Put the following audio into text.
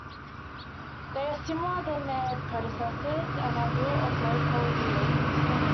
They are smaller than their predecessors, and are built of low quality local stone.